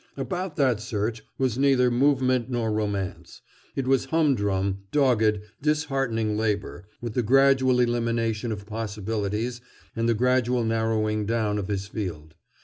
About that search was neither movement nor romance. It was humdrum, dogged, disheartening labor, with the gradual elimination of possibilities and the gradual narrowing down of his field.